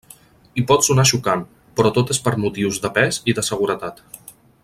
I pot sonar xocant, però tot és per motius de pes i de seguretat.